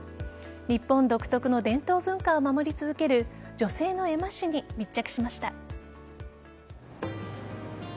日本独特の伝統文化を守り続ける女性の絵馬師に密着しました。